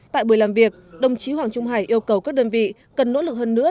tại buổi làm việc đồng chí hoàng trung hải yêu cầu các đơn vị cần nỗ lực hơn nữa